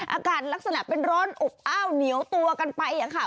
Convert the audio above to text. อากาศลักษณะเป็นร้อนอบอ้าวเหนียวตัวกันไป